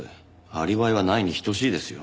アリバイはないに等しいですよ。